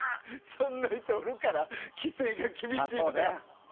そんな人がおるから規制が厳しい。